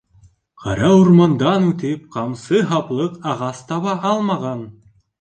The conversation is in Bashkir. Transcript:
Ҡара урмандан үтеп, ҡамсы һаплыҡ ағас таба алмаған.